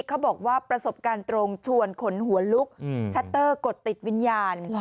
เขาบอกว่าประสบการณ์ตรงชวนขนหัวลุกชัตเตอร์กดติดวิญญาณ